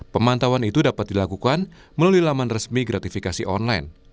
pemantauan itu dapat dilakukan melalui laman resmi gratifikasi online